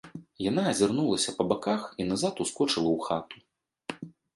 Яна азірнулася па баках і назад ускочыла ў хату.